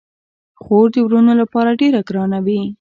خور د وروڼو لپاره ډیره ګرانه وي.